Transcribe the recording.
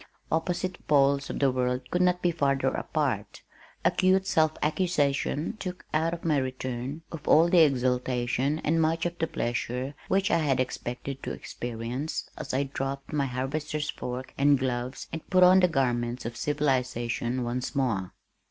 Opposite poles of the world could not be farther apart. Acute self accusation took out of my return all of the exaltation and much of the pleasure which I had expected to experience as I dropped my harvester's fork and gloves and put on the garments of civilization once more.